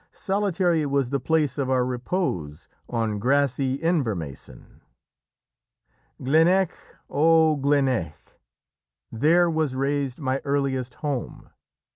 Solitary was the place of our repose On grassy Invermasan. Gleneitche! O Gleneitche! There was raised my earliest home.